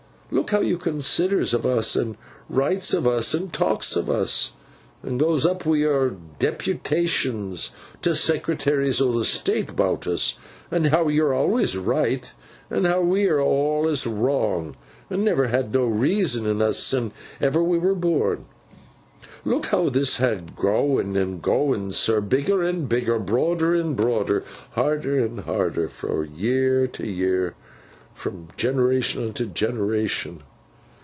Look how you considers of us, and writes of us, and talks of us, and goes up wi' yor deputations to Secretaries o' State 'bout us, and how yo are awlus right, and how we are awlus wrong, and never had'n no reason in us sin ever we were born. Look how this ha growen an' growen, sir, bigger an' bigger, broader an' broader, harder an' harder, fro year to year, fro generation unto generation.